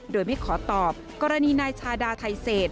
โดยไม่ขอตอบกรณีนายชาดาไทเศษ